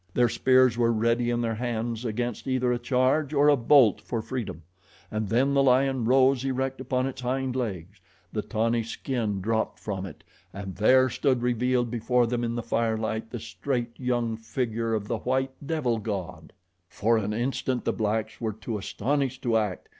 Their spears were ready in their hands against either a charge or a bolt for freedom, and then the lion rose erect upon its hind legs, the tawny skin dropped from it and there stood revealed before them in the firelight the straight young figure of the white devil god. For an instant the blacks were too astonished to act.